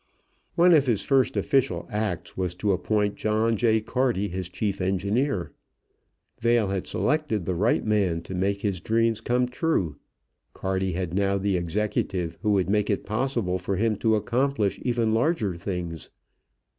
One of his first official acts was to appoint John J. Carty his chief engineer. Vail had selected the right man to make his dreams come true; Carty now had the executive who would make it possible for him to accomplish even larger things.